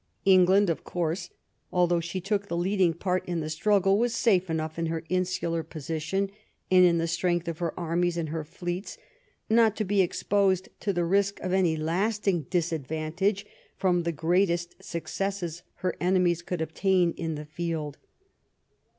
England, of course, although she took the leading part in the struggle, was safe enough in her insular position and in the strength of her armies and her fleets not to be exposed to the risk of any lasting disadvantage from the greatest successes her enemies could obtain in the field.